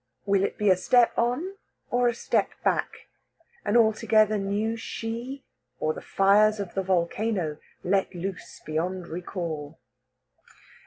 Will it be a step on or a step back? An altogether new she, or the fires of the volcano, let loose beyond recall?